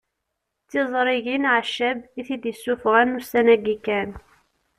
D tiẓrigin Ɛeccab i t-id-isuffɣen ussan-agi kan